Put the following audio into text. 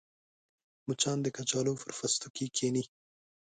مچان د کچالو پر پوستکي کښېني